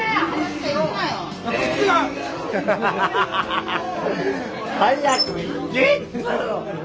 ハハハハ！